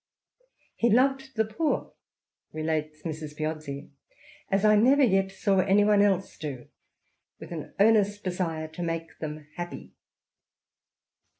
" He loved the poor," relates Mrs. Piozzi, " as I never yet saw anyone else do, with an earnest desire to make them happy."